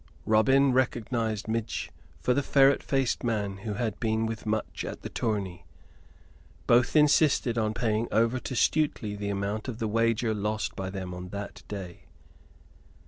Robin recognized Midge for the ferret faced man who had been with Much at the tourney. Both insisted on paying over to Stuteley the amount of the wager lost by them on that day.